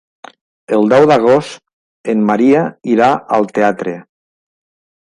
El deu d'agost en Maria irà al teatre.